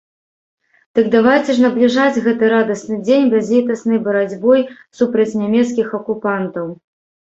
Дык давайце ж набліжаць гэты радасны дзень бязлітаснай барацьбой супраць нямецкіх акупантаў!